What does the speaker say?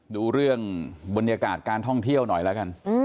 ดูเรื่องบรรยากาศการท่องเที่ยวหน่อยแล้วกัน